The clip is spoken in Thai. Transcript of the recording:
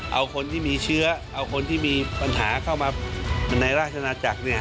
เอาคนที่มีเชื้อเอาคนที่มีปัญหาเข้ามาในราชนาจักร